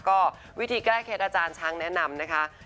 ก็วิธีแก้เคล็ดอาจารย์ช้างแนะนำนะคะ